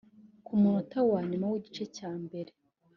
Ku munota wa nyuma w’igice cya mbere